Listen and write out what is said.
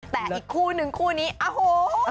แต่อีกคู่นึงคู่นี้โอ้โห